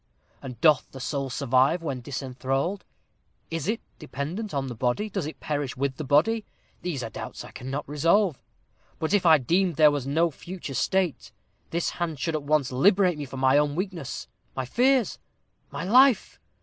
And doth the soul survive when disenthralled? Is it dependent on the body? Does it perish with the body? These are doubts I cannot resolve. But if I deemed there was no future state, this hand should at once liberate me from my own weaknesses my fears my life.